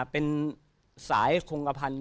เป็นสายคงกระพันธ